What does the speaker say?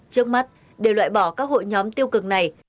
trước mắt đều loại bỏ các hội nhóm tiêu cực này